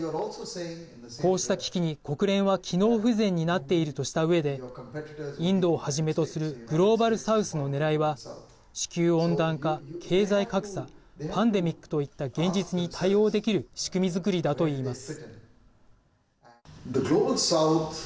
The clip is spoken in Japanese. こうした危機に国連は機能不全になっているとしたうえでインドをはじめとするグローバル・サウスのねらいは地球温暖化、経済格差パンデミックといった現実に対応できる仕組み作りだと言います。